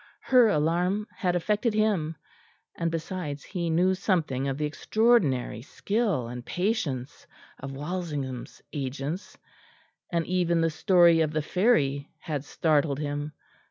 Her alarm had affected him, and besides, he knew something of the extraordinary skill and patience of Walsingham's agents, and even the story of the ferry had startled him.